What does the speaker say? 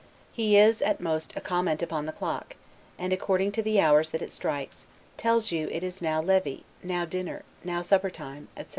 He is, at most, a comment upon the clock; and according to the hours that it strikes, tells you now it is levee, now dinner, now supper time, etc.